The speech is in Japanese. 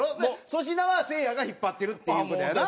粗品はせいやが引っ張ってるっていう事やな？